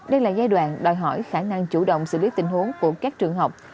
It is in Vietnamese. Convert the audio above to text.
đây là giai đoạn đòi hỏi khả năng chủ động sự biết tình huống của các trường học